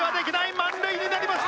満塁になりました。